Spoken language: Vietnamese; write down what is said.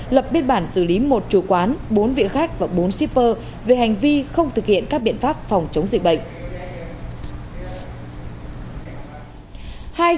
lập biên bản xử lý một chủ quán bốn vị khách và bốn shipper về hành vi không thực hiện các biện pháp phòng chống dịch bệnh